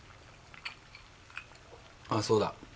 あっそうだ。